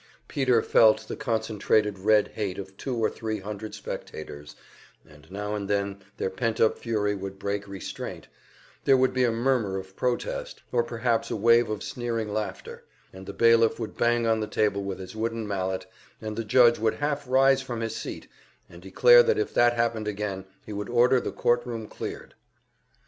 Peter felt the concentrated Red hate of two or three hundred spectators, and now and then their pent up fury would break restraint; there would be a murmur of protest, or perhaps a wave of sneering laughter, and the bailiff would bang on the table with his wooden mallet, and the judge would half rise from his seat, and declare that if that happened again he would order the court room cleared.